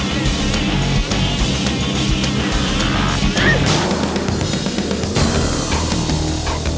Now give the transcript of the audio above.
kau sudah kureng